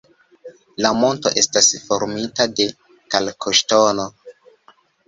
La monto estas formita de kalkoŝtono.